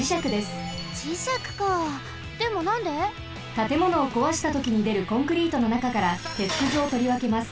たてものをこわしたときにでるコンクリートのなかからてつくずをとりわけます。